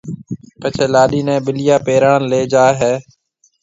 پڇيَ لاڏِي نيَ ٻِليا پيراڻ ليَ جائيَ ھيََََ